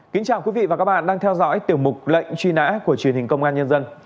kính chào quý vị và các bạn đang theo dõi tiểu mục lệnh truy nã của truyền hình công an nhân dân